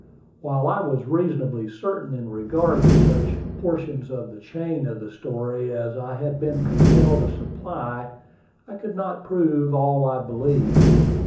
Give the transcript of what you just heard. While I was reasonably certain in regard to such portions of the chain of the story as I had been compelled to supply, I could not prove all I believed.